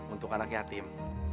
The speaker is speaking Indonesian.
untuk anak yatim